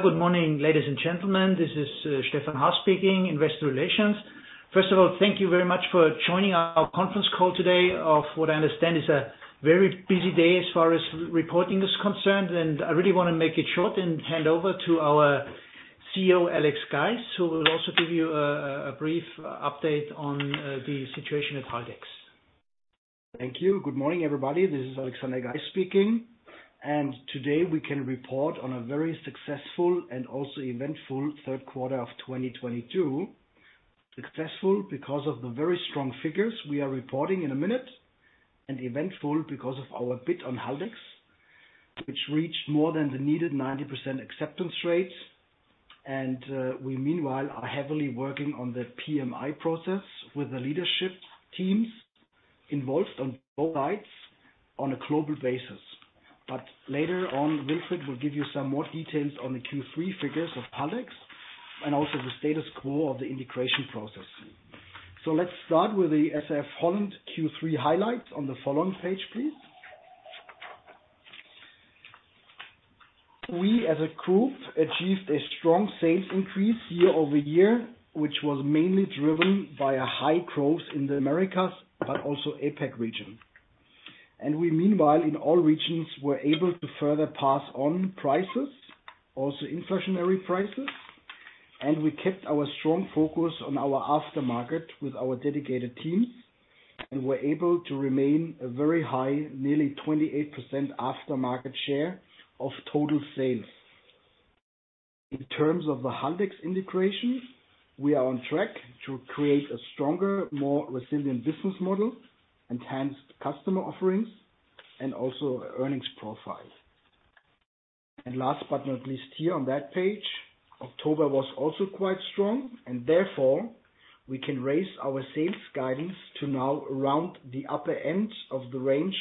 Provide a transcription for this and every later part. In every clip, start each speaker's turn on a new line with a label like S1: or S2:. S1: Good morning, ladies and gentlemen. This is Stephan Haas speaking, Investor Relations. First of all, thank you very much for joining our Conference Call today, on what I understand is a very busy day as far as reporting is concerned. I really wanna make it short and hand over to our CEO, Alex Geis, who will also give you a brief update on the situation at Haldex.
S2: Thank you. Good morning, everybody. This is Alexander Geis speaking. Today, we can report on a very successful and also eventful third quarter of 2022. Successful because of the very strong figures we are reporting in a minute, and eventful because of our bid on Haldex, which reached more than the needed 90% acceptance rate. We meanwhile are heavily working on the PMI process with the leadership teams involved on both sides on a global basis. Later on, Wilfried will give you some more details on the Q3 figures of Haldex and also the status quo of the integration process. Let's start with the SAF-Holland Q3 highlights on the following page, please. We, as a group, achieved a strong sales increase year-over-year, which was mainly driven by a high growth in the Americas, but also APAC region. We, meanwhile, in all regions, were able to further pass on prices, also inflationary prices. We kept our strong focus on our aftermarket with our dedicated teams, and were able to remain a very high, nearly 28% aftermarket share of total sales. In terms of the Haldex integration, we are on track to create a stronger, more resilient business model, enhanced customer offerings, and also earnings profile. Last but not least, here on that page, October was also quite strong, and therefore, we can raise our sales guidance to now around the upper end of the range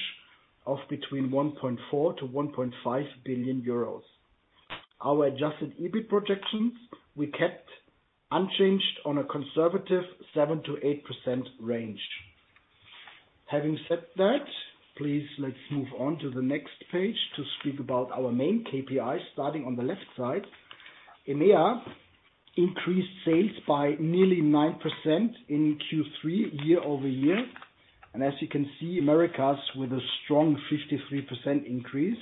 S2: of between 1.4 billion to 1.5 billion euros. Our Adjusted EBIT projections, we kept unchanged on a conservative 7%-8% range. Having said that, please let's move on to the next page to speak about our main KPIs, starting on the left side. EMEA increased sales by nearly 9% in Q3, year-over-year. As you can see, Americas with a strong 53% increase,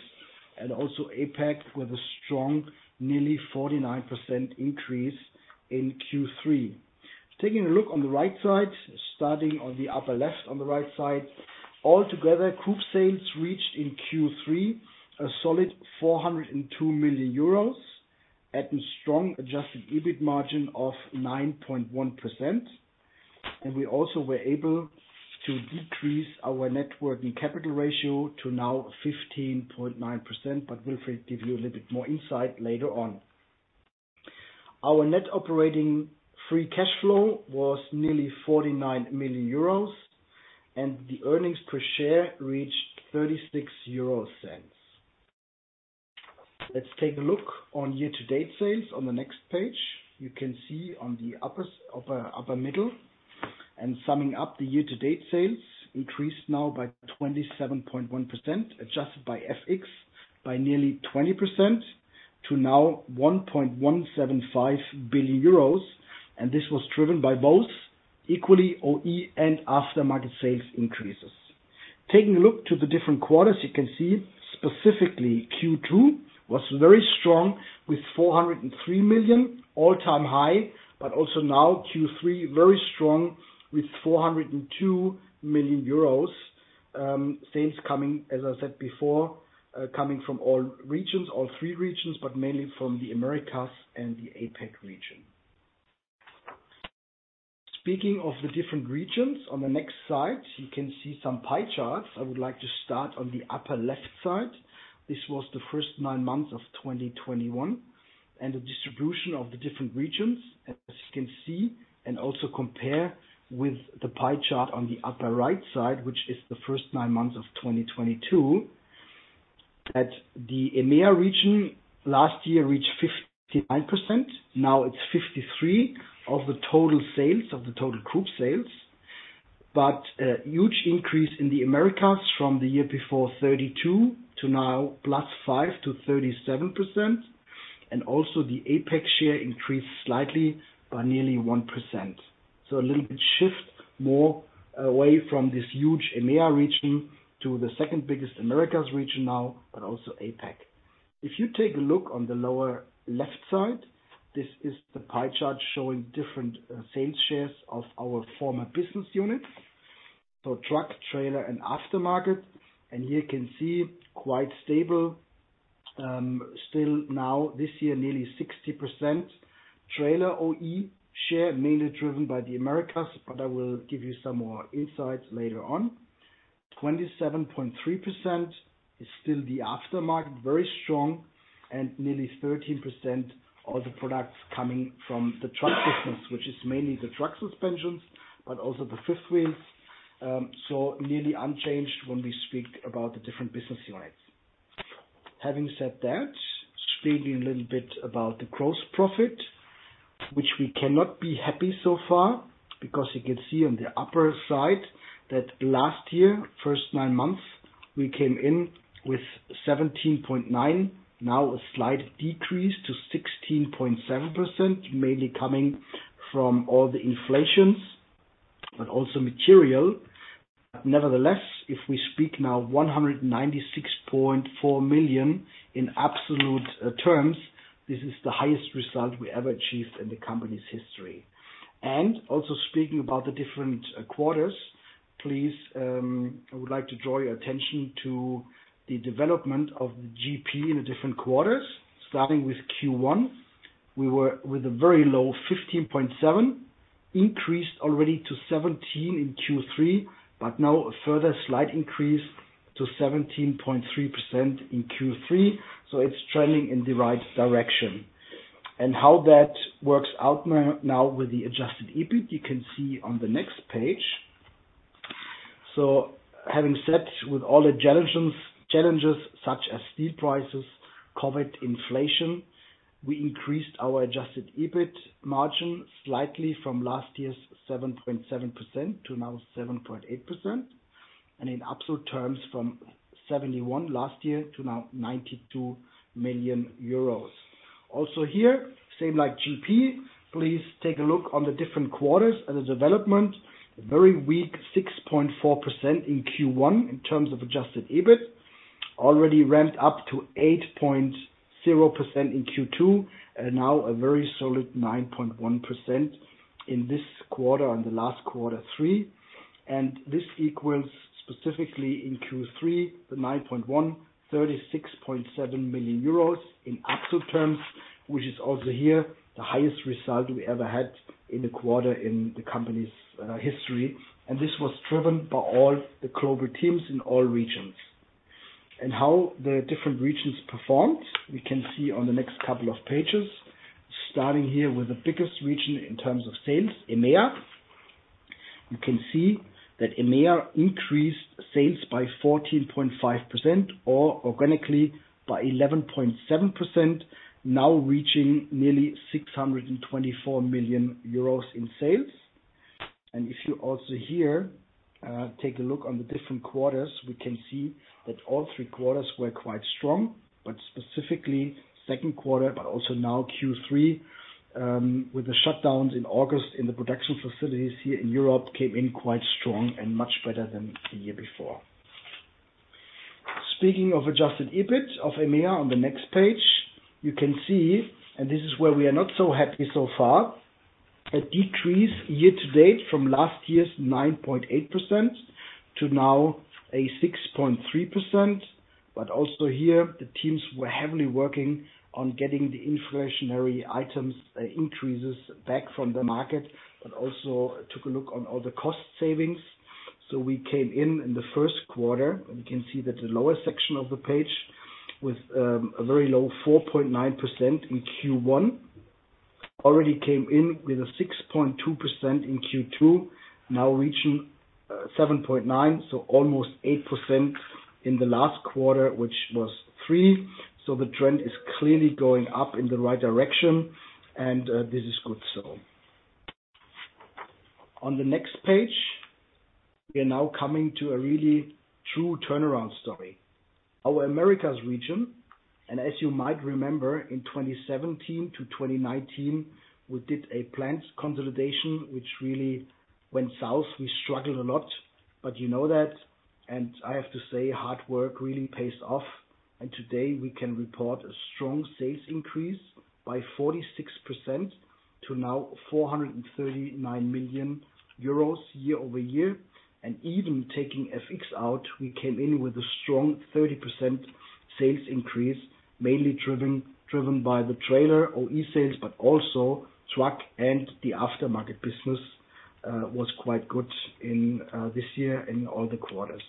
S2: and also APAC with a strong nearly 49% increase in Q3. Taking a look on the right side, starting on the upper left on the right side. Altogether, group sales reached in Q3 a solid 402 million euros at a strong Adjusted EBIT margin of 9.1%. We also were able to decrease our net working capital ratio to now 15.9%, but Wilfried give you a little bit more insight later on. Our net operating free cash flow was nearly 49 million euros, and the earnings per share reached 0.36. Let's take a look on year-to-date sales on the next page. You can see on the upper middle. Summing up the year-to-date sales increased now by 27.1%, adjusted by FX by nearly 20% to now 1.175 billion euros. This was driven by both equally OE and aftermarket sales increases. Taking a look to the different quarters, you can see specifically Q2 was very strong with 403 million all-time high, but also now Q3, very strong with 402 million euros sales coming, as I said before, coming from all regions, all three regions, but mainly from the Americas and the APAC region. Speaking of the different regions, on the next slide, you can see some pie charts. I would like to start on the upper left side. This was the first nine months of 2021, and the distribution of the different regions, as you can see, and also compare with the pie chart on the upper right side, which is the first nine months of 2022. At the EMEA region, last year reached 59%, now it's 53% of the total sales, of the total group sales. A huge increase in the Americas from the year before, 32% to now +5 to 37%. The APAC share increased slightly by nearly 1%. A little bit shift more away from this huge EMEA region to the second biggest Americas region now, but also APAC. If you take a look on the lower left side, this is the pie chart showing different sales shares of our former business units. Truck, trailer, and aftermarket. Here you can see quite stable, still now this year, nearly 60% trailer OE share, mainly driven by the Americas, but I will give you some more insights later on. 27.3% is still the aftermarket, very strong, and nearly 13% other products coming from the truck business, which is mainly the truck suspensions, but also the fifth wheels. So nearly unchanged when we speak about the different business units. Having said that, speaking a little bit about the gross profit, which we cannot be happy so far because you can see on the upper side that last year, first nine months, we came in with 17.9%. Now a slight decrease to 16.7%, mainly coming from all the inflations, but also material. Nevertheless, if we speak now 196.4 million in absolute terms, this is the highest result we ever achieved in the company's history. Also speaking about the different quarters, please, I would like to draw your attention to the development of the GP in the different quarters, starting with Q1. We were with a very low 15.7%, increased already to 17% in Q2, but now a further slight increase to 17.3% in Q3. So it's trending in the right direction. How that works out now with the Adjusted EBIT, you can see on the next page. Having said, with all the challenges such as steel prices, COVID, inflation, we increased our Adjusted EBIT margin slightly from last year's 7.7% to now 7.8%, and in absolute terms from 71 million last year to now 92 million euros. Also here, same like GP, please take a look on the different quarters and the development. A very weak 6.4% in Q1 in terms of Adjusted EBIT. Already ramped up to 8.0% in Q2, and now a very solid 9.1% in this quarter, Q3. This equals specifically in Q3, the 9.1%, 36.7 million euros in absolute terms, which is also here, the highest result we ever had in the quarter in the company's history. This was driven by all the global teams in all regions. How the different regions performed, we can see on the next couple of pages, starting here with the biggest region in terms of sales, EMEA. You can see that EMEA increased sales by 14.5%, or organically by 11.7%, now reaching nearly 624 million euros in sales. If you also here take a look on the different quarters, we can see that all three quarters were quite strong, but specifically second quarter, but also now Q3, with the shutdowns in August in the production facilities here in Europe, came in quite strong and much better than the year before. Speaking of Adjusted EBIT of EMEA on the next page, you can see, and this is where we are not so happy so far, a decrease year to date from last year's 9.8% to now a 6.3%. Also here, the teams were heavily working on getting the inflationary items increases back from the market, but also took a look on all the cost savings. We came in the first quarter, and you can see that the lower section of the page with a very low 4.9% in Q1, already came in with a 6.2% in Q2, now reaching 7.9, so almost 8% in the last quarter, which was three. The trend is clearly going up in the right direction, and this is good. On the next page, we are now coming to a really true turnaround story. Our Americas region, and as you might remember, in 2017-2019, we did a plant consolidation which really went south. We struggled a lot, but you know that, and I have to say, hard work really pays off. Today, we can report a strong sales increase by 46% to now 439 million euros year-over-year. Even taking FX out, we came in with a strong 30% sales increase, mainly driven by the trailer OE sales, but also truck and the aftermarket business was quite good in this year in all the quarters.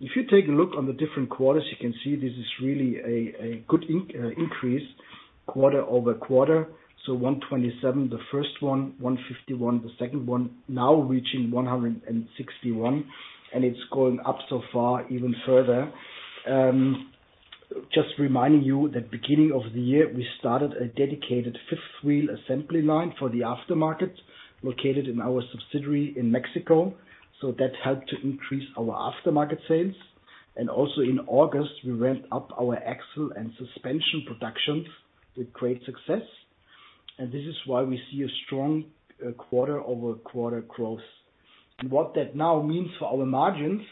S2: If you take a look on the different quarters, you can see this is really a good increase quarter-over-quarter. 127, the first one. 151, the second one. Now reaching 161, and it's going up so far, even further. Just reminding you that beginning of the year, we started a dedicated fifth wheel assembly line for the aftermarket located in our subsidiary in Mexico. That helped to increase our aftermarket sales. Also in August, we ramped up our axle and suspension productions with great success. This is why we see a strong quarter-over-quarter growth. What that now means for our margins,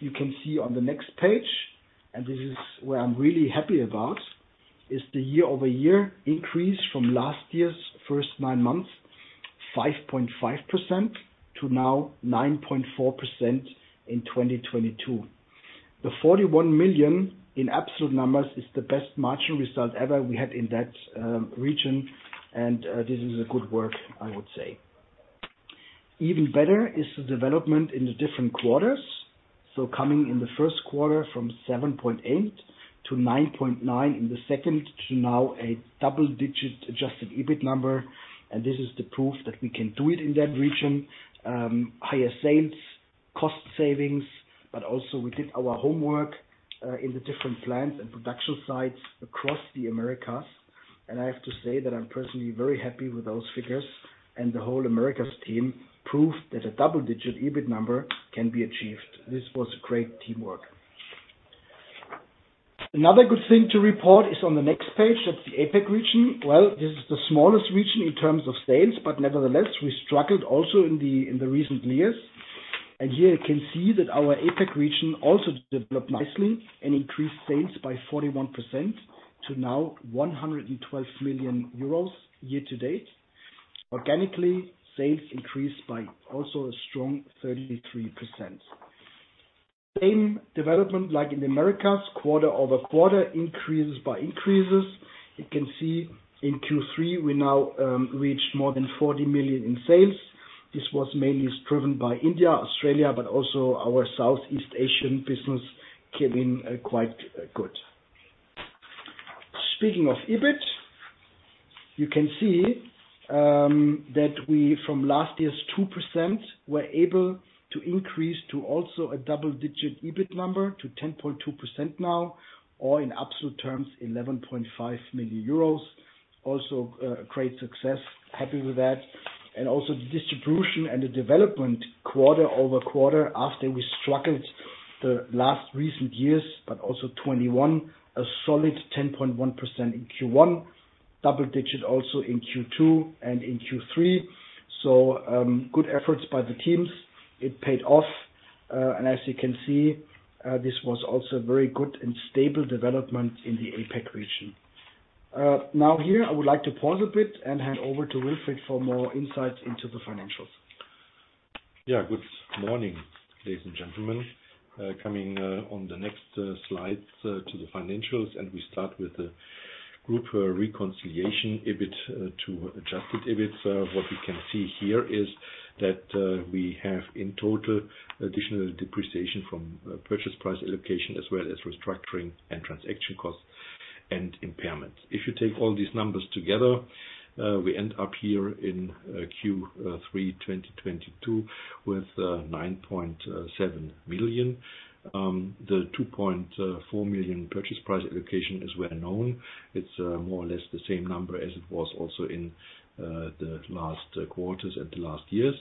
S2: you can see on the next page, and this is where I'm really happy about, is the year-over-year increase from last year's first nine months, 5.5% to now 9.4% in 2022. The 41 million in absolute numbers is the best margin result ever we had in that region. This is a good work, I would say. Even better is the development in the different quarters. Coming in the first quarter from 7.8 to 9.9 in the second to now a double-digit Adjusted EBIT number, and this is the proof that we can do it in that region. Higher sales, cost savings, but also we did our homework in the different plants and production sites across the Americas. I have to say that I'm personally very happy with those figures. The whole Americas team proved that a double-digit EBIT number can be achieved. This was great teamwork. Another good thing to report is on the next page. That's the APAC region. Well, this is the smallest region in terms of sales, but nevertheless, we struggled also in the recent years. Here you can see that our APAC region also developed nicely and increased sales by 41% to 112 million euros year to date. Organically, sales increased by also a strong 33%. Same development like in the Americas, quarter-over-quarter increases. You can see in Q3, we now reached more than 40 million in sales. This was mainly driven by India, Australia, but also our Southeast Asian business came in quite good. Speaking of EBIT, you can see that we from last year's 2% were able to increase to also a double-digit EBIT number to 10.2% now, or in absolute terms, 11.5 million euros. A great success. Happy with that. Also the distribution and the development quarter-over-quarter after we struggled the last recent years, but also 2021, a solid 10.1% in Q1, double-digit also in Q2 and in Q3. Good efforts by the teams. It paid off. And as you can see, this was also very good and stable development in the APAC region. Now here, I would like to pause a bit and hand over to Wilfried for more insights into the financials.
S3: Yeah. Good morning, ladies and gentlemen. Coming on the next slides to the financials, we start with the group reconciliation EBIT to Adjusted EBIT. What we can see here is that we have in total additional depreciation from purchase price allocation, as well as restructuring and transaction costs and impairments. If you take all these numbers together, we end up here in Q3 2022 with 9.7 million. The 2.4 million purchase price allocation is well known. It's more or less the same number as it was also in the last quarters and the last years.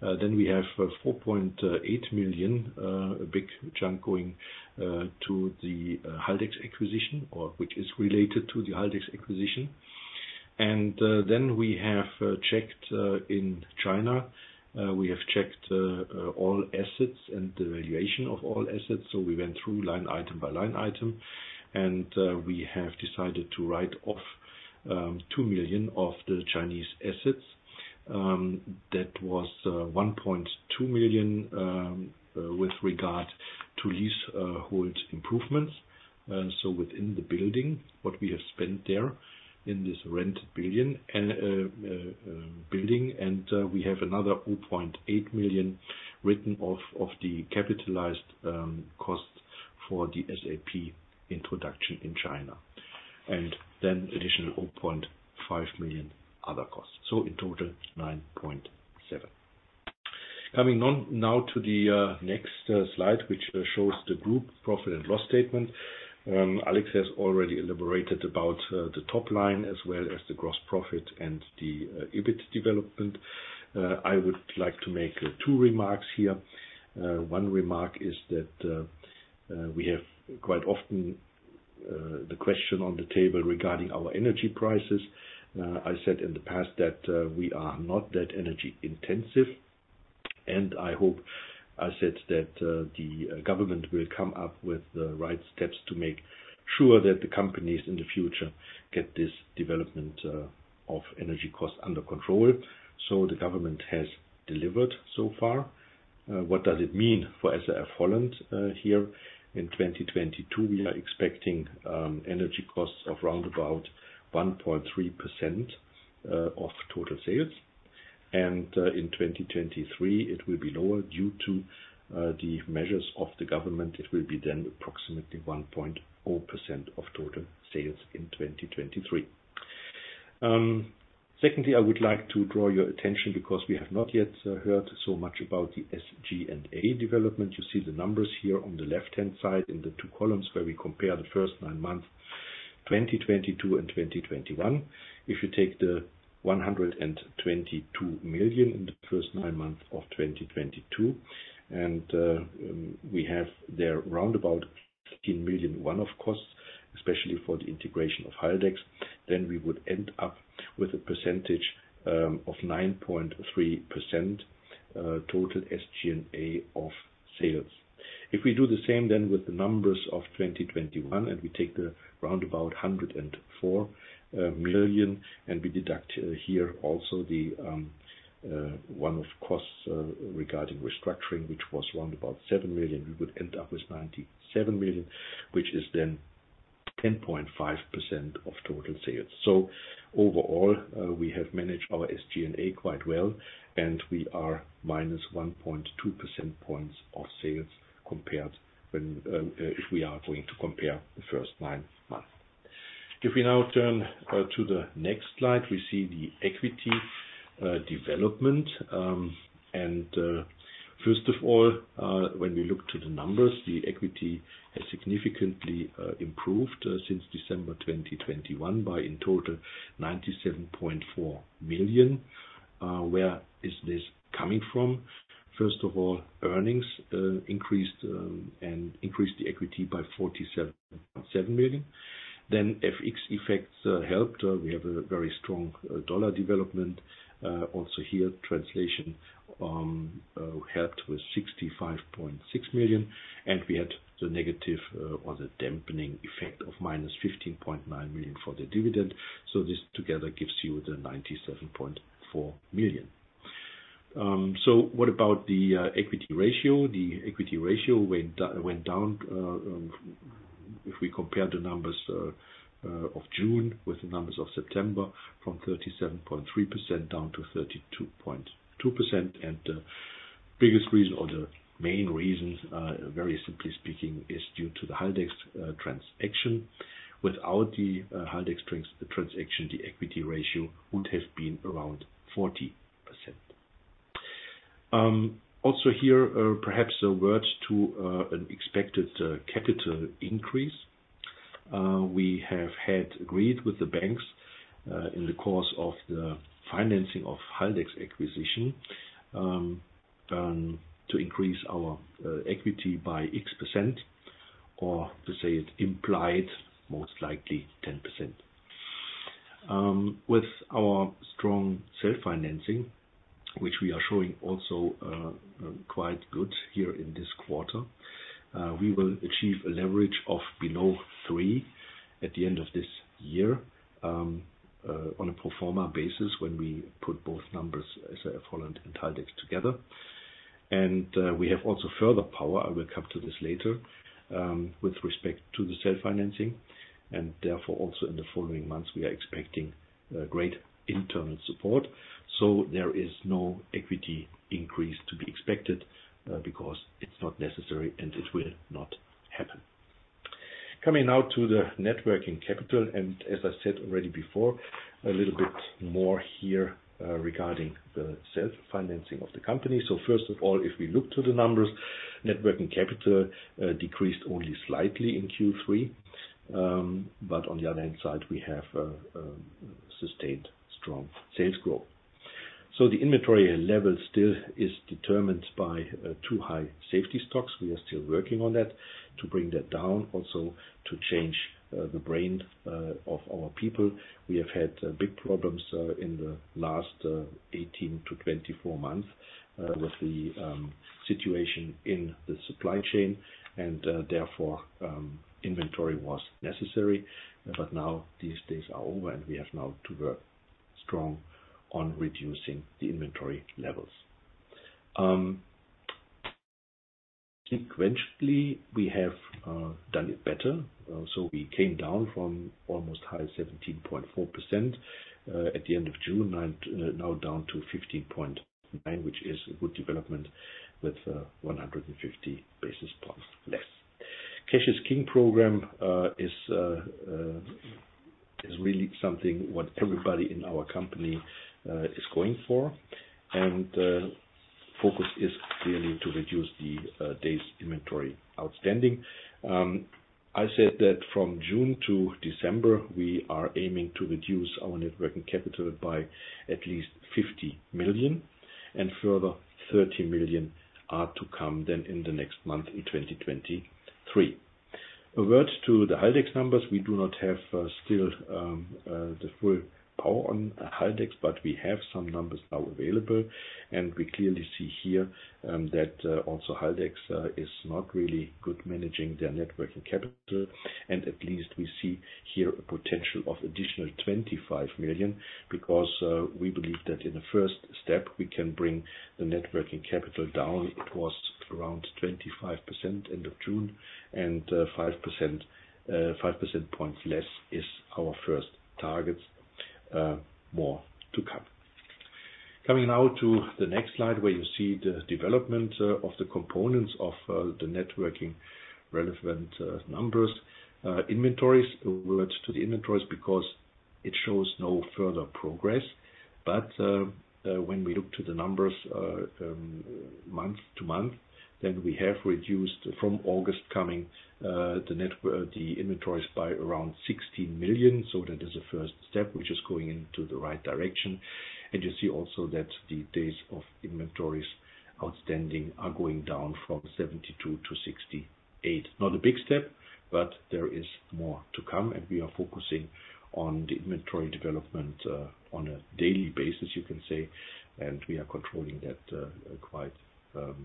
S3: We have 4.8 million, a big chunk going to the Haldex acquisition or which is related to the Haldex acquisition. We have checked in China. We have checked all assets and the valuation of all assets. We went through line item by line item, and we have decided to write off 2 million of the Chinese assets. That was 1.2 million with regard to leasehold improvements. So within the building, what we have spent there in this rented building. We have another 0.8 million written off of the capitalized cost for the SAP introduction in China, and then additional 0.5 million other costs. In total, 9.7 million. Coming now to the next slide, which shows the group profit and loss statement. Alex has already elaborated about the top line as well as the gross profit and the EBIT development. I would like to make two remarks here. One remark is that we have quite often the question on the table regarding our energy prices. I said in the past that we are not that energy intensive, and I hope I said that the government will come up with the right steps to make sure that the companies in the future get this development of energy costs under control. The government has delivered so far. What does it mean for SAF-Holland here in 2022? We are expecting energy costs of round about 1.3% of total sales. In 2023, it will be lower due to the measures of the government. It will be then approximately 1.2% of total sales in 2023. Secondly, I would like to draw your attention because we have not yet heard so much about the SG&A development. You see the numbers here on the left-hand side in the two columns where we compare the first nine months, 2022 and 2021. If you take the 122 million in the first nine months of 2022, and we have there round about 15 million in costs, especially for the integration of Haldex, then we would end up with a percentage of 9.3%, total SG&A of sales. If we do the same then with the numbers of 2021, and we take the around 104 million, and we deduct here also the one-off costs regarding restructuring, which was around 7 million. We would end up with 97 million, which is then 10.5% of total sales. Overall, we have managed our SG&A quite well, and we are minus 1.2 percentage points of sales compared when if we are going to compare the first nine months. If we now turn to the next slide, we see the equity development. First of all, when we look to the numbers, the equity has significantly improved since December 2021 by in total 97.4 million. Where is this coming from? First of all, earnings increased and increased the equity by 47.7 million. FX effects helped. We have a very strong dollar development. Also here, translation helped with 65.6 million, and we had the negative or the dampening effect of -15.9 million for the dividend. This together gives you the 97.4 million. What about the equity ratio? The equity ratio went down if we compare the numbers of June with the numbers of September, from 37.3% down to 32.2%. The biggest reason or the main reasons, very simply speaking, is due to the Haldex transaction. Without the Haldex transaction, the equity ratio would have been around 40%. Also, here, perhaps a word to an expected capital increase. We have agreed with the banks in the course of the financing of the Haldex acquisition to increase our equity by 10%, or to say it implied, most likely 10%. With our strong self-financing, which we are showing also quite good here in this quarter, we will achieve a leverage below 3 at the end of this year on a pro forma basis when we put both numbers, SAF-Holland and Haldex, together. We have also further power, I will come to this later, with respect to the self-financing. Therefore, also in the following months, we are expecting great internal support. There is no equity increase to be expected, because it's not necessary and it will not happen. Coming now to the net working capital, and as I said already before, a little bit more here, regarding the self-financing of the company. First of all, if we look to the numbers, net working capital decreased only slightly in Q3. On the other hand side, we have sustained strong sales growth. The inventory level still is determined by too high safety stocks. We are still working on that to bring that down, also to change the brain of our people. We have had big problems in the last 18-24 months with the situation in the supply chain, and therefore inventory was necessary. Now these days are over, and we have now to work strong on reducing the inventory levels. Sequentially, we have done it better. So we came down from almost high 17.4%, at the end of June, and now down to 15.9%, which is a good development with 150 basis points less. Cash is King program is really something what everybody in our company is going for. Focus is clearly to reduce the days inventory outstanding. I said that from June to December, we are aiming to reduce our net working capital by at least 50 million, and further 30 million are to come then in the next month in 2023. A word to the Haldex numbers. We do not have still the full power on Haldex, but we have some numbers now available. We clearly see here that also Haldex is not really good managing their net working capital. At least we see here a potential of additional 25 million because we believe that in the first step, we can bring the net working capital down. It was around 25% end of June, and five percentage points less is our first target. More to come. Coming now to the next slide, where you see the development of the components of the net working capital relevant numbers. Inventories. A word to the inventories because it shows no further progress. When we look to the numbers, month-to-month, then we have reduced from August coming, the inventories by around 16 million. That is a first step, which is going into the right direction. You see also that the days inventory outstanding are going down from 72-68. Not a big step, but there is more to come, and we are focusing on the inventory development, on a daily basis, you can say, and we are controlling that, quite intensive.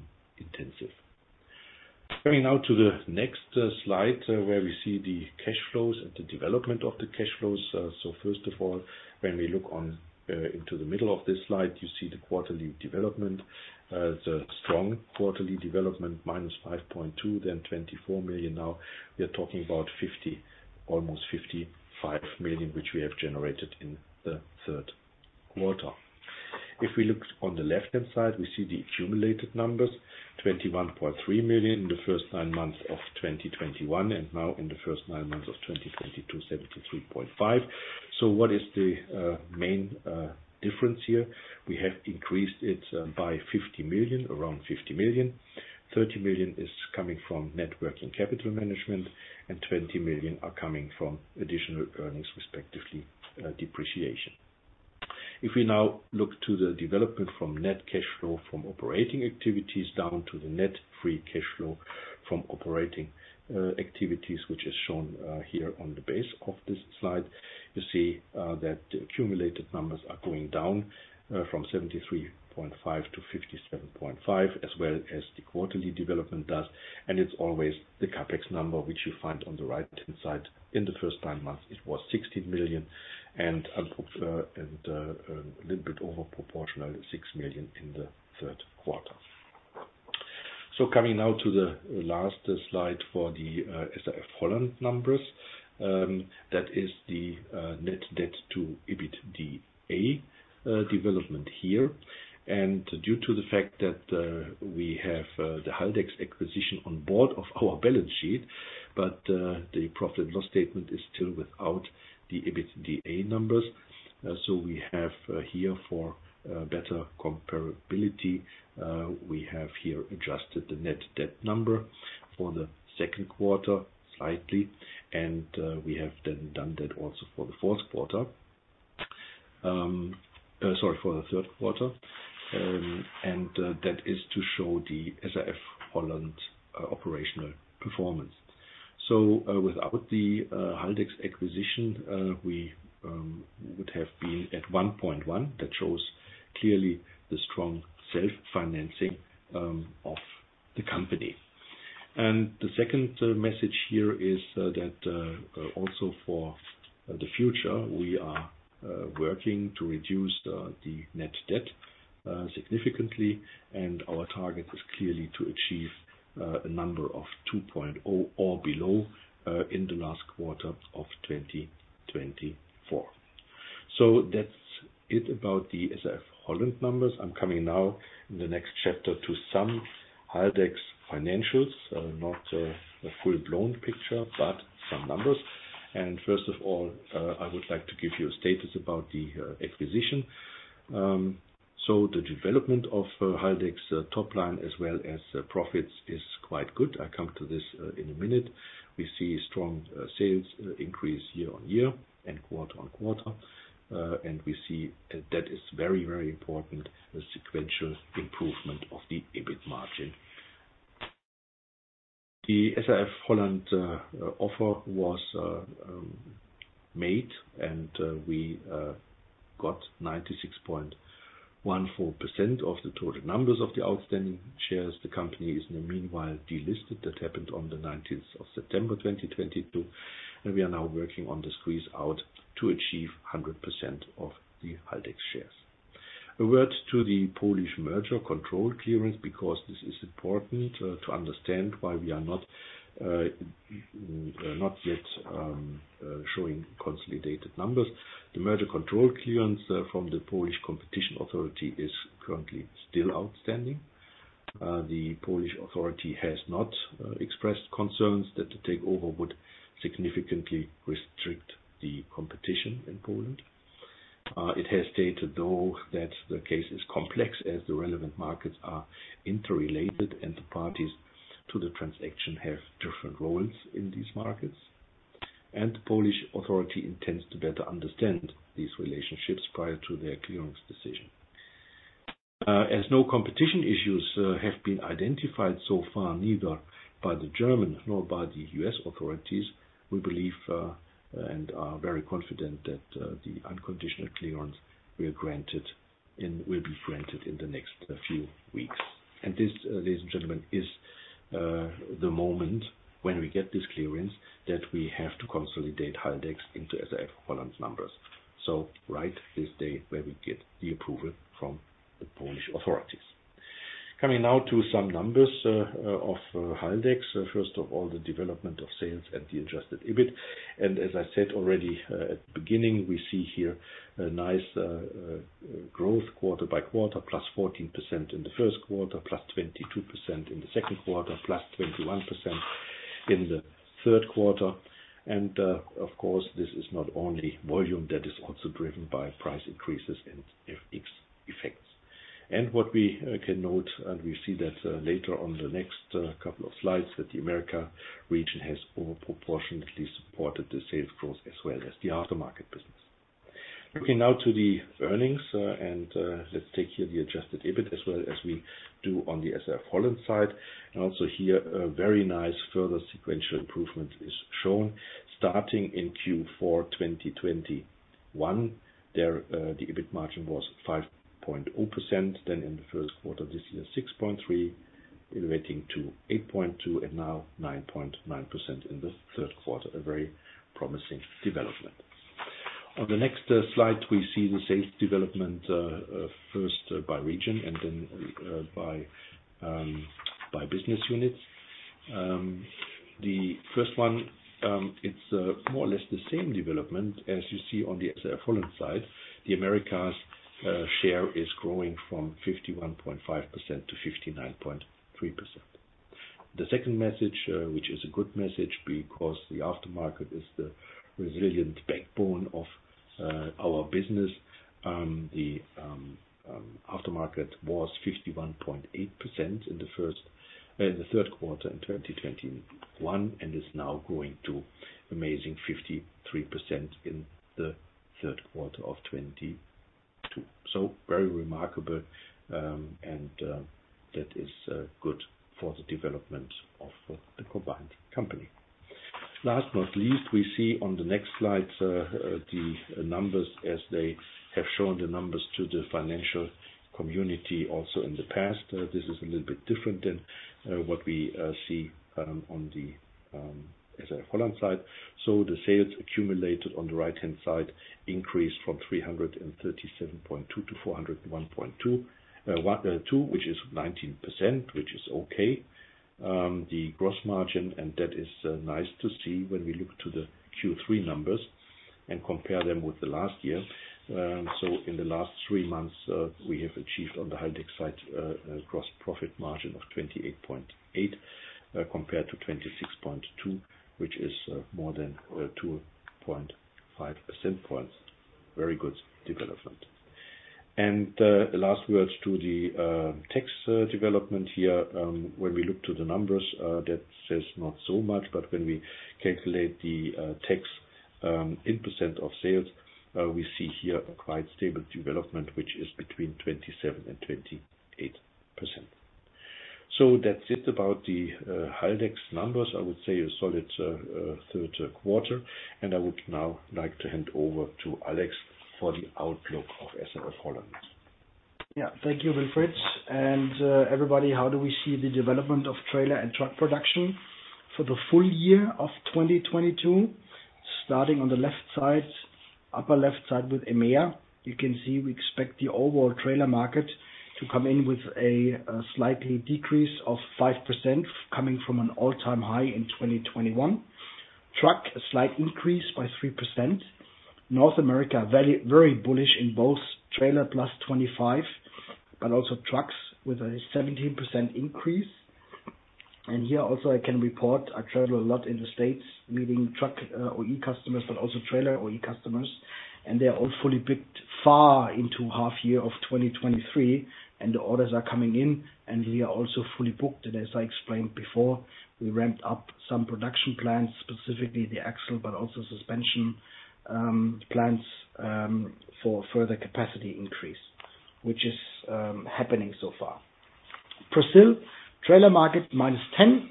S3: Coming now to the next slide, where we see the cash flows and the development of the cash flows. First of all, when we look on, into the middle of this slide, you see the quarterly development. The strong quarterly development, minus 5.2, then 24 million. Now we are talking about 50 million, almost 55 million, which we have generated in the third quarter. If we look on the left-hand side, we see the accumulated numbers, 21.3 million in the first nine months of 2021, and now in the first nine months of 2022, 73.5. What is the main difference here? We have increased it by 50 million, around 50 million. 30 million is coming from net working capital management, and 20 million are coming from additional earnings, respectively, depreciation. If we now look to the development from net cash flow from operating activities down to the net free cash flow from operating activities, which is shown here on the basis of this slide. You see, that the accumulated numbers are going down, from 73.5-57.5, as well as the quarterly development does. It's always the CapEx number which you find on the right-hand side. In the first nine months, it was 16 million and a little bit over proportional, 6 million in the third quarter. Coming now to the last slide for the SAF-Holland numbers. That is the net debt to EBITDA development here. Due to the fact that we have the Haldex acquisition on board of our balance sheet, but the profit and loss statement is still without the EBITDA numbers. We have here for better comparability, we have here adjusted the net debt number for the second quarter slightly, and we have then done that also for the fourth quarter. Sorry, for the third quarter. That is to show the SAF-Holland operational performance. Without the Haldex acquisition, we would have been at 1.1. That shows clearly the strong self-financing of the company. The second message here is that also for the future, we are working to reduce the net debt significantly. Our target is clearly to achieve a number of 2.0 or below in the last quarter of 2024. That's it about the SAF-Holland numbers. I'm coming now in the next chapter to some Haldex financials. Not a full-blown picture, but some numbers. First of all, I would like to give you a status about the acquisition. The development of Haldex top line as well as profits is quite good. I come to this in a minute. We see strong sales increase year-on-year and quarter-on-quarter. We see that is very, very important, the sequential improvement of the EBIT margin. The SAF-Holland offer was made and we got 96.14% of the total number of the outstanding shares. The company is in the meanwhile delisted. That happened on the nineteenth of September, 2022. We are now working on the squeeze out to achieve 100% of the Haldex shares. A word to the Polish merger control clearance, because this is important to understand why we are not yet showing consolidated numbers. The merger control clearance from the Polish Competition Authority is currently still outstanding. The Polish Authority has not expressed concerns that the takeover would significantly restrict the competition in Poland. It has stated, though, that the case is complex as the relevant markets are interrelated and the parties to the transaction have different roles in these markets. The Polish Authority intends to better understand these relationships prior to their clearance decision. As no competition issues have been identified so far, neither by the German nor by the U.S. authorities, we believe and are very confident that the unconditional clearance will be granted in the next few weeks. This, ladies and gentlemen, is the moment when we get this clearance that we have to consolidate Haldex into SAF-Holland's numbers. Right this day where we get the approval from the Polish authorities. Coming now to some numbers of Haldex. First of all, the development of sales and the Adjusted EBIT. As I said already at the beginning, we see here a nice growth quarter by quarter, +14% in the first quarter, +22% in the second quarter, +21% in the third quarter. Of course, this is not only volume that is also driven by price increases and FX effects. What we can note, and we see that later on in the next couple of slides, that the America region has over proportionately supported the sales growth as well as the aftermarket business. Looking now to the earnings, and let's take here the Adjusted EBIT as well as we do on the SAF-Holland side. Also here a very nice further sequential improvement is shown. Starting in Q4 2021, there the EBIT margin was 5.0%. In the first quarter this year, 6.3%, elevating to 8.2% and now 9.9% in the third quarter. A very promising development. On the next slide, we see the sales development first by region and then by business units. The first one, it's more or less the same development as you see on the SAF-Holland side. The Americas share is growing from 51.5%-9.3%. The second message, which is a good message because the aftermarket is the resilient backbone of our business. The aftermarket was 51.8% in the third quarter in 2021 and is now growing to amazing 53% in the third quarter of 2022. Very remarkable, and that is good for the development of the combined company. Last but not least, we see on the next slide the numbers as they have shown to the financial community also in the past. This is a little bit different than what we see on the SAF-Holland side. The sales accumulated on the right-hand side increased from 337.2 to 401.2, which is 19%, which is okay. The gross margin, and that is nice to see when we look to the Q3 numbers and compare them with the last year. In the last three months, we have achieved on the Haldex side gross profit margin of 28.8% compared to 26.2%, which is more than 2.5 percentage points. Very good development. Last words to the tax development here. When we look to the numbers that says not so much, but when we calculate the tax in percent of sales we see here a quite stable development, which is between 27%-28%. That's it about the Haldex numbers. I would say a solid third quarter. I would now like to hand over to Alex for the outlook of SAF-Holland.
S2: Thank you, Wilfried. Everybody, how do we see the development of trailer and truck production for the full year of 2022? Starting on the left side, upper left side with EMEA. You can see we expect the overall trailer market to come in with a slight decrease of 5% coming from an all-time high in 2021. Truck, a slight increase by 3%. North America, very, very bullish in both trailer plus 25%, but also trucks with a 17% increase. Here also I can report I travel a lot in the States meeting truck OE customers, but also trailer OE customers, and they are all fully booked far into half year of 2023, and the orders are coming in, and we are also fully booked. As I explained before, we ramped up some production plans, specifically the axle, but also suspension plans for further capacity increase, which is happening so far. Brazil, trailer market -10%.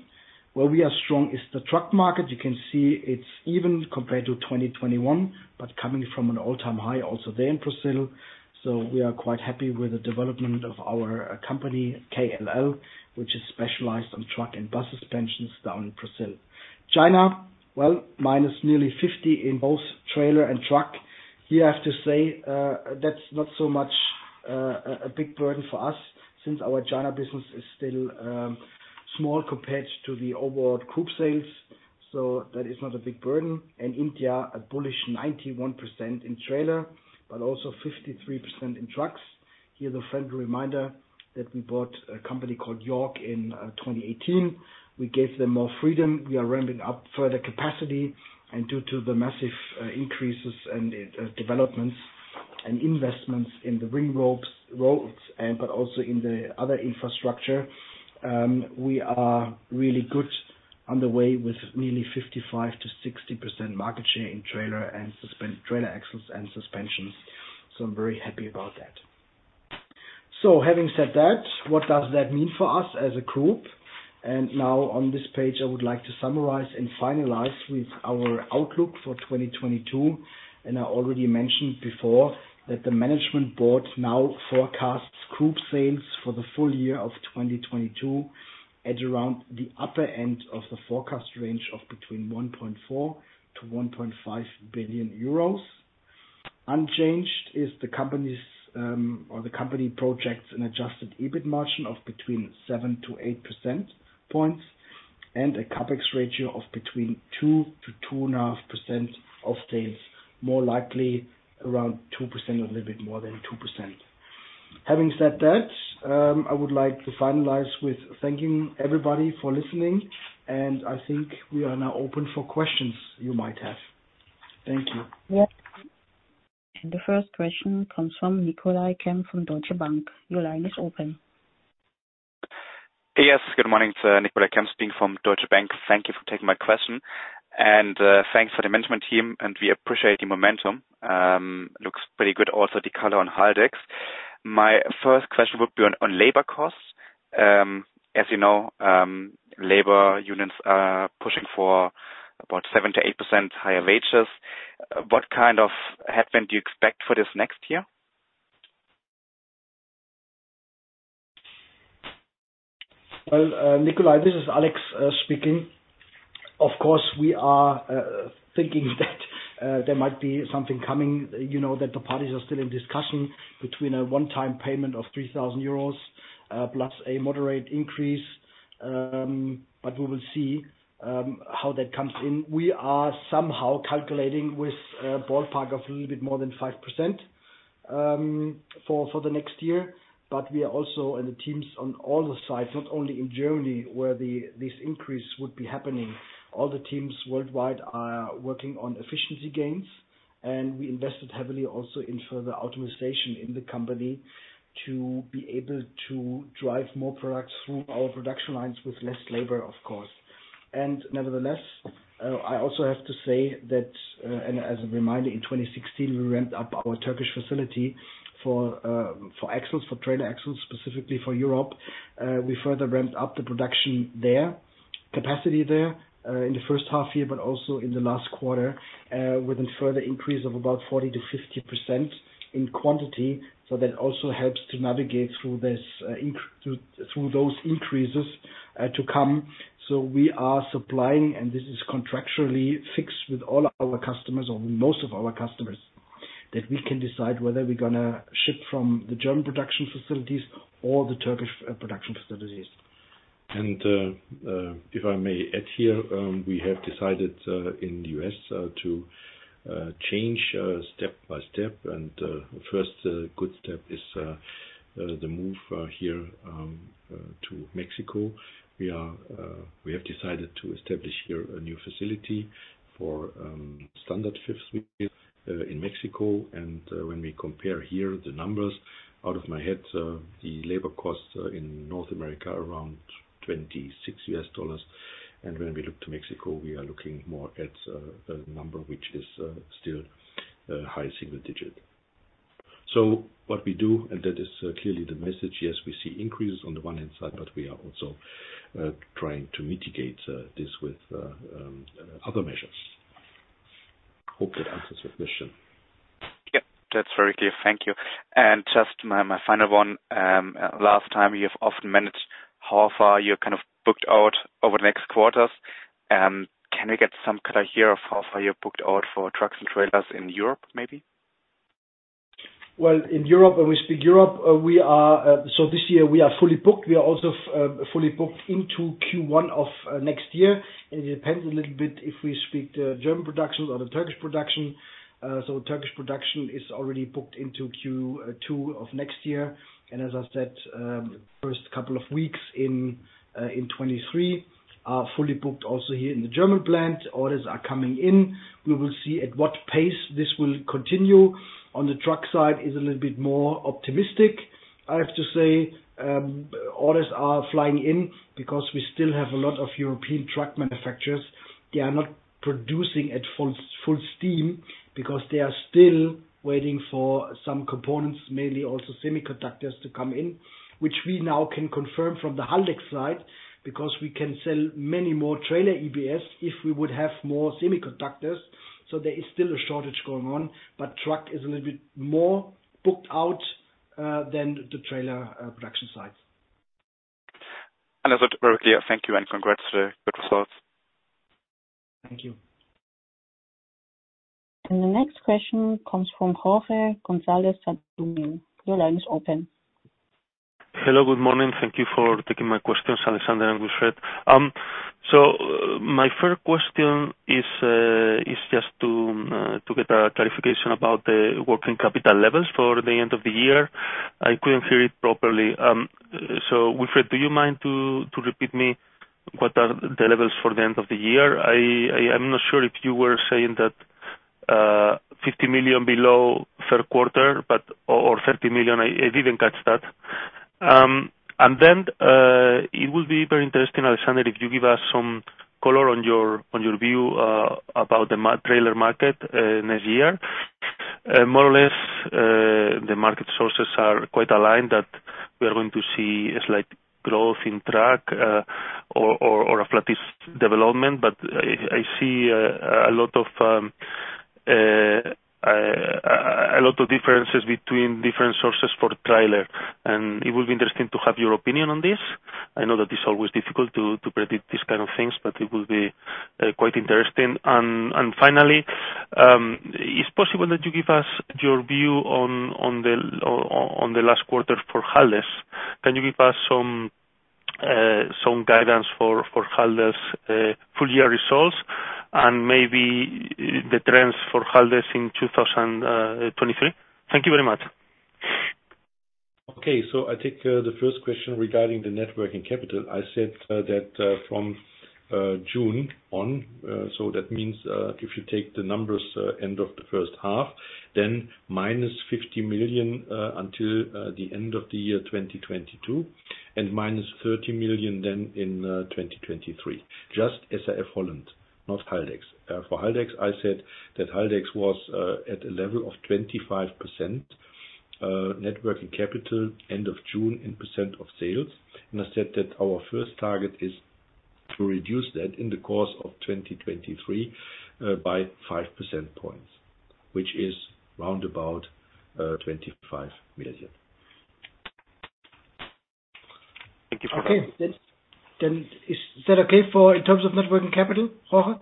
S2: Where we are strong is the truck market. You can see it's even compared to 2021, but coming from an all-time high also there in Brazil. We are quite happy with the development of our company, KLL, which is specialized on truck and bus suspensions down in Brazil. China, well, -nearly 50% in both trailer and truck. Here I have to say, that's not so much a big burden for us since our China business is still small compared to the overall group sales. So that is not a big burden. India, a bullish 91% in trailer, but also 53% in trucks. Here's a friendly reminder that we bought a company called York in 2018. We gave them more freedom. We are ramping up further capacity, and due to the massive increases and developments and investments in the roads, but also in the other infrastructure, we are really well on the way with nearly 55%-60% market share in trailer axles and suspensions. I'm very happy about that. Having said that, what does that mean for us as a group? Now on this page, I would like to summarize and finalize with our outlook for 2022. I already mentioned before that the management board now forecasts group sales for the full year of 2022 at around the upper end of the forecast range of between 1.4 billion-1.5 billion euros. Unchanged is the company projects an Adjusted EBIT margin of between 7-8 percentage points and a CapEx ratio of between 2-2.5% of sales, more likely around 2%, a little bit more than 2%. Having said that, I would like to finalize with thanking everybody for listening, and I think we are now open for questions you might have. Thank you.
S4: The first question comes from Nicolai Kempf from Deutsche Bank. Your line is open.
S5: Yes. Good morning. It's Nicolai Kempf speaking from Deutsche Bank. Thank you for taking my question. Thanks for the management team, and we appreciate the momentum. Looks pretty good also the color on Haldex. My first question would be on labor costs. As you know, labor unions are pushing for about 7%-8% higher wages. What kind of impact do you expect for this next year?
S2: Nicolai, this is Alex speaking. Of course, we are thinking that there might be something coming, you know, that the parties are still in discussion between a one-time payment of 3,000 euros plus a moderate increase. We will see how that comes in. We are somehow calculating with a ballpark of a little bit more than 5% for the next year. We are also, and the teams on all sides, not only in Germany, where this increase would be happening. All the teams worldwide are working on efficiency gains, and we invested heavily also in further optimization in the company to be able to drive more products through our production lines with less labor, of course. Nevertheless, I also have to say that, and as a reminder, in 2016, we ramped up our Turkish facility for axles, for trailer axles, specifically for Europe. We further ramped up the production there, capacity there, in the first half year, but also in the last quarter, with a further increase of about 40%-50% in quantity. That also helps to navigate through this, through those increases to come. We are supplying, and this is contractually fixed with all our customers or most of our customers, that we can decide whether we're gonna ship from the German production facilities or the Turkish production facilities.
S3: If I may add here, we have decided in the US to change step by step. First good step is the move here to Mexico. We have decided to establish here a new facility for standard-duty fifth wheels in Mexico. When we compare here the numbers, out of my head, the labor costs in North America are around $26. When we look to Mexico, we are looking more at a number which is still a high single digit. What we do, and that is clearly the message, yes, we see increases on the one hand side, but we are also trying to mitigate this with other measures. Hope that answers your question.
S5: Yep, that's very clear. Thank you. Just my final one. Last time you've often managed how far you're kind of booked out over the next quarters. Can we get some color here of how far you're booked out for trucks and trailers in Europe, maybe?
S2: Well, in Europe, when we speak Europe, we are, so this year we are fully booked. We are also fully booked into Q1 of next year. It depends a little bit if we speak the German production or the Turkish production. Turkish production is already booked into Q2 of next year. As I said, first couple of weeks in 2023 are fully booked also here in the German plant. Orders are coming in. We will see at what pace this will continue. On the truck side is a little bit more optimistic, I have to say. Orders are flying in because we still have a lot of European truck manufacturers. They are not producing at full steam because they are still waiting for some components, mainly also semiconductors, to come in, which we now can confirm from the Haldex side, because we can sell many more Trailer EBS if we would have more semiconductors. There is still a shortage going on, but truck is a little bit more booked out than the trailer production side.
S5: That's it. Very clear. Thank you and congrats to the good results.
S2: Thank you.
S4: The next question comes from Jorge González Sadornil. Your line is open.
S6: Hello, good morning. Thank you for taking my questions, Alexander and Wilfried. My first question is just to get a clarification about the working capital levels for the end of the year. I couldn't hear it properly. Wilfried, do you mind to repeat to me what are the levels for the end of the year? I am not sure if you were saying that 50 million below third quarter, but or 30 million. I didn't catch that. It would be very interesting, Alexander, if you give us some color on your view about the trailer market next year. More or less, the market sources are quite aligned that we are going to see a slight growth in truck or a flattish development. I see a lot of differences between different sources for trailer, and it will be interesting to have your opinion on this. I know that it's always difficult to predict these kind of things, but it will be quite interesting. Finally, it's possible that you give us your view on the last quarter for Haldex. Can you give us some guidance for Haldex full year results and maybe the trends for Haldex in 2023? Thank you very much.
S3: I take the first question regarding the net working capital. I said that from June on, so that means if you take the numbers end of the first half, then minus 50 million until the end of the year 2022, and minus 30 million then in 2023. Just SAF-Holland, not Haldex. For Haldex, I said that Haldex was at a level of 25% net working capital end of June in percent of sales. I said that our first target is to reduce that in the course of 2023 by 5 percentage points, which is round about 25 million.
S2: Okay. Is that okay in terms of net working capital, Jorge?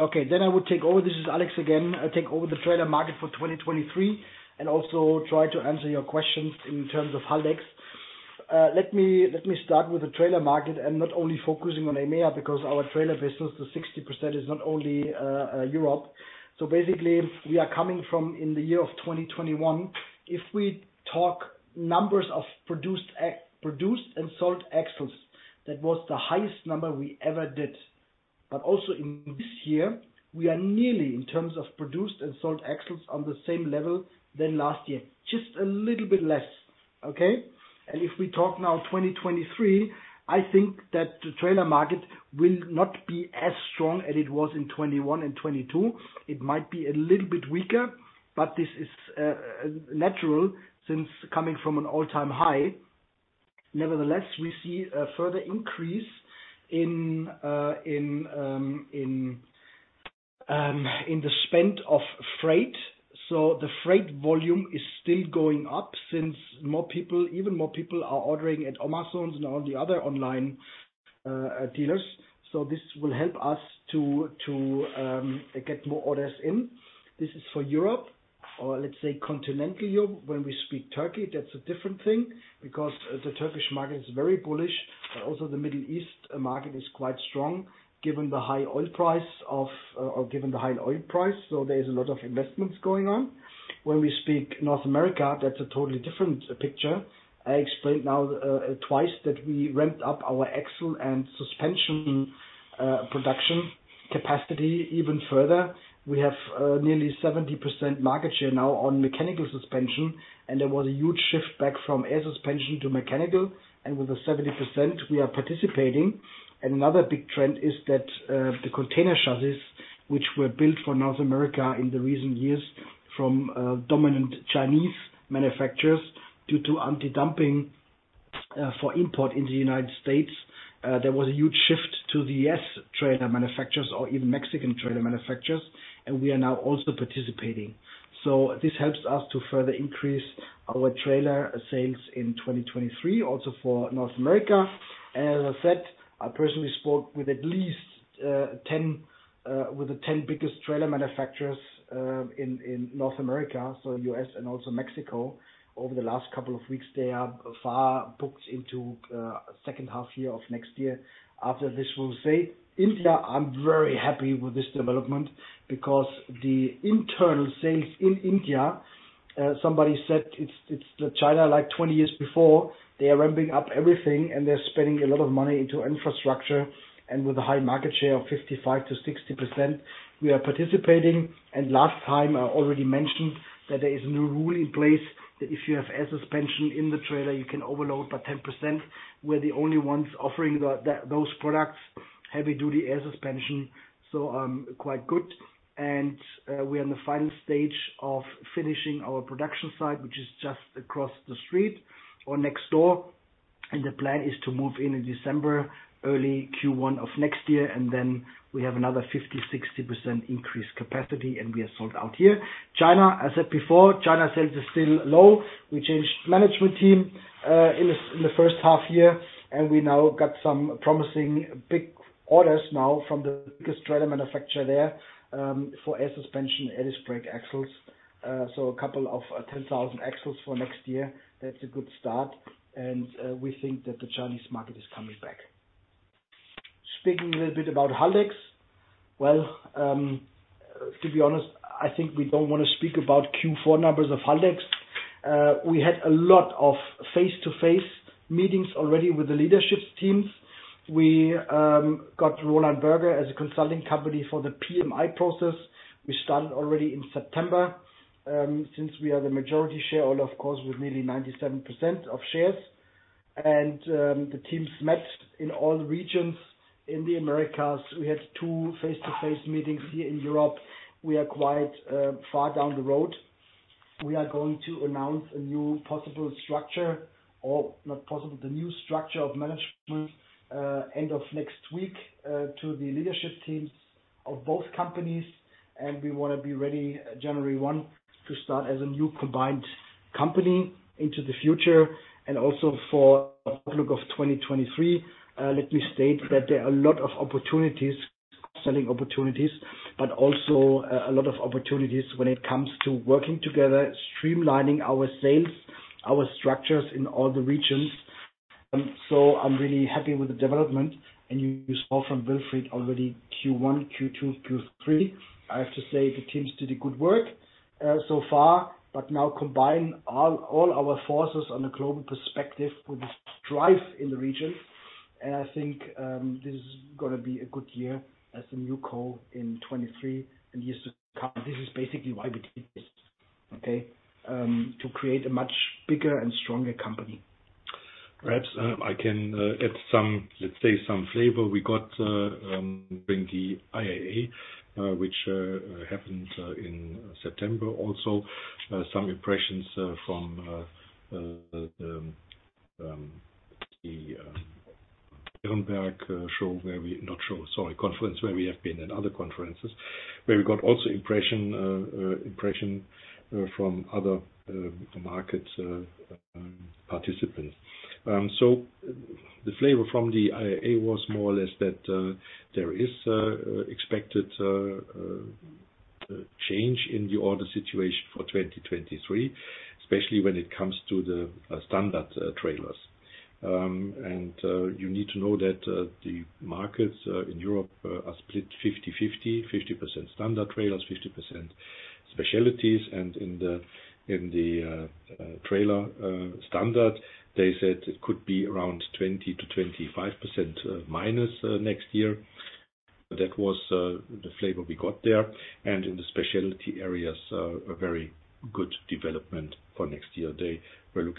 S2: Okay, then I will take over. This is Alex again. I take over the trailer market for 2023 and also try to answer your questions in terms of Haldex. Let me start with the trailer market and not only focusing on EMEA, because our trailer business to 60% is not only Europe. So basically, we are coming from in the year of 2021, if we talk numbers of produced and sold axles, that was the highest number we ever did. Also in this year, we are nearly in terms of produced and sold axles on the same level as last year, just a little bit less. Okay? If we talk now 2023, I think that the trailer market will not be as strong as it was in 2021 and 2022. It might be a little bit weaker, but this is natural since coming from an all-time high. Nevertheless, we see a further increase in the spend of freight. So the freight volume is still going up since more people, even more people are ordering at Amazon and all the other online dealers. So this will help us to get more orders in. This is for Europe, or let's say continental Europe. When we speak Turkey, that's a different thing because the Turkish market is very bullish, but also the Middle East market is quite strong given the high oil price. There is a lot of investments going on. When we speak North America, that's a totally different picture. I explained now twice that we ramped up our axle and suspension production capacity even further. We have nearly 70% market share now on mechanical suspension, and there was a huge shift back from air suspension to mechanical. With the 70%, we are participating. Another big trend is that the container chassis which were built for North America in the recent years from dominant Chinese manufacturers, due to anti-dumping for import in the United States, there was a huge shift to the U.S. trailer manufacturers or even Mexican trailer manufacturers, and we are now also participating. This helps us to further increase our trailer sales in 2023, also for North America. As I said, I personally spoke with the ten biggest trailer manufacturers in North America, so U.S. and also Mexico, over the last couple of weeks. They are far booked into second half year of next year. After this, we'll say India, I'm very happy with this development because the internal sales in India, somebody said it's the China, like 20 years before. They are ramping up everything, and they're spending a lot of money into infrastructure. With a high market share of 55%-60%, we are participating. Last time, I already mentioned that there is a new rule in place, that if you have air suspension in the trailer, you can overload by 10%. We're the only ones offering those products, heavy-duty air suspension. I'm quite good. We are in the final stage of finishing our production site, which is just across the street or next door. The plan is to move in in December, early Q1 of next year, and then we have another 50-60% increased capacity, and we are sold out here. China, as said before, China sales is still low. We changed management team in the first half year, and we now got some promising big orders now from the biggest trailer manufacturer there, for air suspension and disc brake axles. So a couple of 10,000 axles for next year. That's a good start. We think that the Chinese market is coming back. Speaking a little bit about Haldex. Well, to be honest, I think we don't wanna speak about Q4 numbers of Haldex. We had a lot of face-to-face meetings already with the leadership teams. We got Roland Berger as a consulting company for the PMI process, which started already in September, since we are the majority shareholder, of course, with nearly 97% of shares. The teams met in all regions. In the Americas, we had two face-to-face meetings here in Europe. We are quite far down the road. We are going to announce the new structure of management end of next week to the leadership teams of both companies, and we wanna be ready January 1 to start as a new combined company into the future and also for outlook of 2023. Let me state that there are a lot of opportunities, selling opportunities, but also a lot of opportunities when it comes to working together, streamlining our sales, our structures in all the regions. So I'm really happy with the development. You saw from Wilfried already Q1, Q2, Q3. I have to say the teams did a good work so far. Now combine all our forces on a global perspective with drive in the region. I think this is gonna be a good year as a new co in 2023. Years to come, this is basically why we did this, okay? To create a much bigger and stronger company.
S3: Perhaps I can add some, let's say some flavor. We got during the IAA, which happened in September also, some impressions from the Nürnberg conference, where we have been in other conferences, where we got also impression from other market participants. The flavor from the IAA was more or less that there is expected change in the order situation for 2023, especially when it comes to the standard trailers. You need to know that the markets in Europe are split 50/50. 50% standard trailers, 50% specialties. In the trailer standard, they said it could be around 20%-25% minus next year. That was the flavor we got there. In the specialty areas, a very good development for next year. They were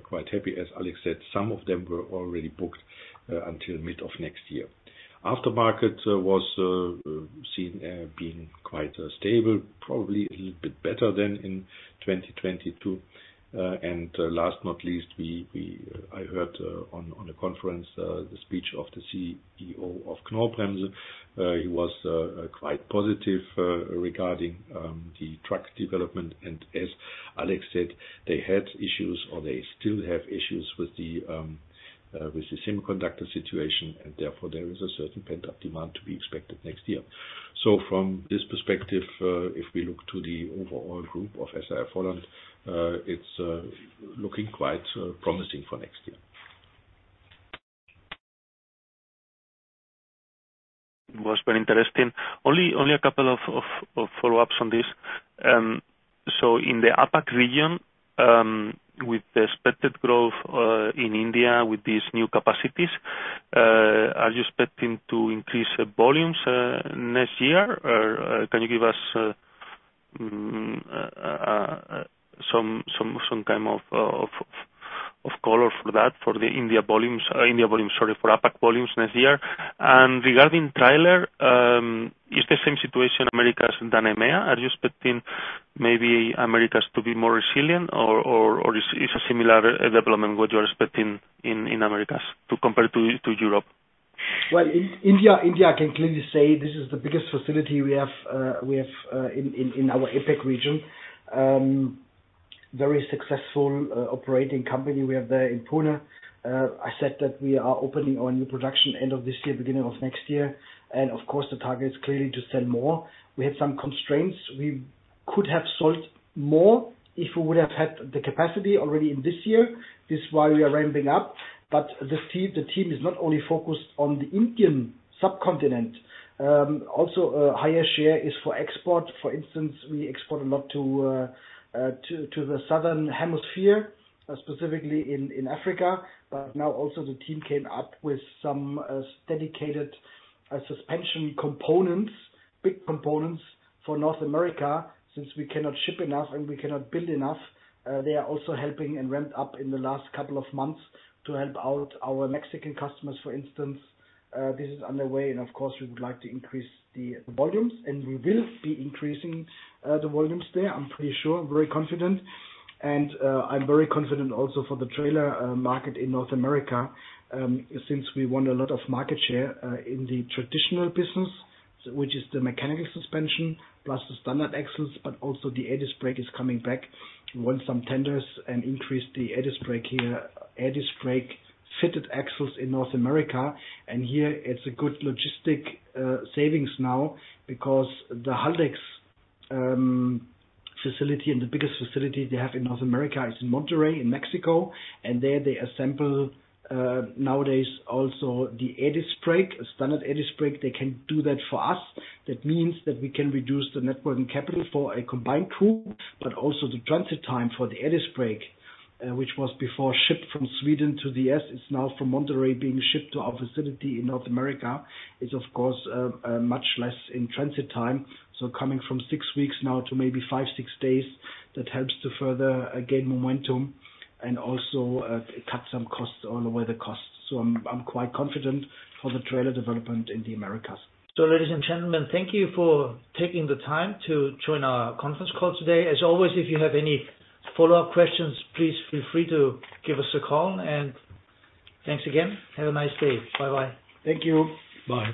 S3: quite happy. As Alex said, some of them were already booked until mid of next year. Aftermarket was seen being quite stable, probably a little bit better than in 2022. Last but not least, I heard on a conference the speech of the CEO of Knorr-Bremse. He was quite positive regarding the truck development. As Alex said, they had issues or they still have issues with the semiconductor situation, and therefore, there is a certain pent-up demand to be expected next year. From this perspective, if we look to the overall group of SAF-Holland, it's looking quite promising for next year.
S6: Was very interesting. Only a couple of follow-ups on this. In the APAC region, with the expected growth in India, with these new capacities, are you expecting to increase volumes next year? Or can you give us some kind of color for that, for the India volumes-or APAC volumes next year? Regarding trailer, is the same situation Americas than EMEA? Are you expecting maybe Americas to be more resilient or is a similar development what you're expecting in Americas to compare to Europe?
S2: Well, India, I can clearly say this is the biggest facility we have in our APAC region. Very successful operating company we have there in Pune. I said that we are opening our new production end of this year, beginning of next year. Of course, the target is clearly to sell more. We have some constraints. We could have sold more if we would have had the capacity already in this year. This is why we are ramping up. The team is not only focused on the Indian subcontinent. Also a higher share is for export. For instance, we export a lot to the Southern Hemisphere, specifically in Africa. Now also the team came up with some dedicated suspension components, big components for North America. Since we cannot ship enough and we cannot build enough, they are also helping and ramped up in the last couple of months to help out our Mexican customers, for instance. This is underway and of course, we would like to increase the volumes, and we will be increasing the volumes there. I'm pretty sure, very confident. I'm very confident also for the trailer market in North America, since we won a lot of market share in the traditional business, which is the mechanical suspension, plus the standard axles, but also the disc brake is coming back. Won some tenders and increased the disc brake here, disc brake axles in North America. Here it's a good logistics savings now because the Haldex facility and the biggest facility they have in North America is in Monterrey, in Mexico. They assemble nowadays also the disc brake, standard disc brake. They can do that for us. That means that we can reduce the net working capital for the combined group, but also the transit time for the disc brake, which was before shipped from Sweden to the U.S. It's now from Monterrey being shipped to our facility in North America. It's of course much less in transit time, so coming from six weeks down to maybe 5-6 days. That helps to further gain momentum and also cut some costs all over the costs. I'm quite confident for the trailer development in the Americas.
S4: Ladies and gentlemen, thank you for taking the time to join our conference call today. As always, if you have any follow-up questions, please feel free to give us a call, and thanks again. Have a nice day. Bye-bye.
S2: Thank you.
S6: Bye.